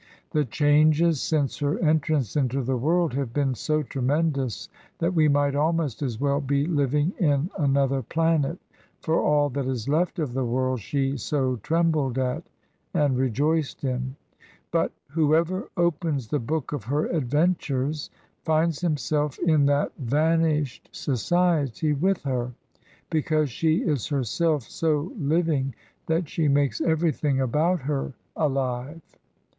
The changes since her entrance into the world have been so tremendous that we might almost as well be Uving in another planet, for all that is left of the world she so trembled at and rejoiced in. But whoever opens the book of her adventures, finds himself in that vanished society with her, because she is her self so Uving that she makes everything about her alive.